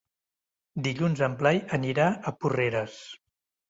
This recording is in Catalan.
Dilluns en Blai anirà a Porreres.